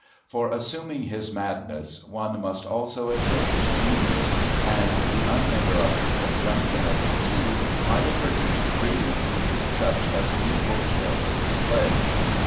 For assuming his madness, one must also admit his genius and the uninterrupted conjunction of the two might have produced brilliancies such as few bookshelves display.